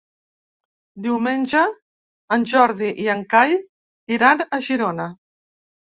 Diumenge en Jordi i en Cai iran a Girona.